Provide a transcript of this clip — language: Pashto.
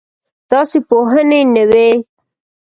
داسې پوهنې نه وې.